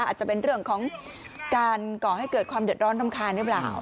อาจจะเป็นเรื่องของการก่อให้เกิดความเดือดร้อนรำคาญหรือเปล่า